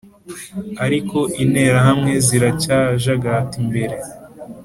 ariko interahamwe ziracyajagata imbere